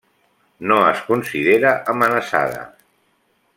No es considera amenaçada.